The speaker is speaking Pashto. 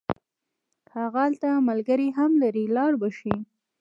هغه هلته ملګري هم لري لاړ به شي.